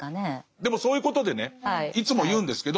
でもそういうことでねいつも言うんですけど。